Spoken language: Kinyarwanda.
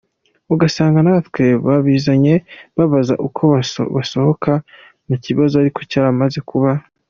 Ugasanga natwe babizanye babaza uko basohoka mu kibazo ariko cyaramaze kuba.